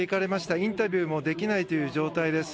インタビューもできない状態です。